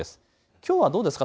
きょうはどうですか？